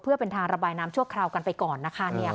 เพื่อเป็นทางระบายน้ำชั่วคราวกันไปก่อนนะคะ